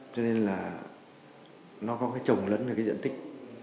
cho nên là nó có cái trồng lẫn về cái diện tích